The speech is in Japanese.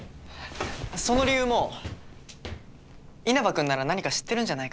その理由も稲葉君なら何か知ってるんじゃないかな？